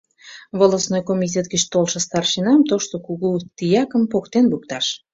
Волостной комитет гыч толшо старшинам, тошто кугу тиякым поктен лукташ.